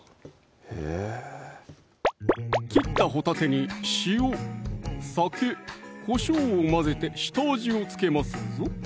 へぇ切ったほたてに塩・酒・こしょうを混ぜて下味を付けますぞ